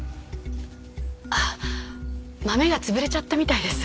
あっマメが潰れちゃったみたいです。